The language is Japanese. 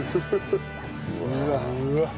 うわっ。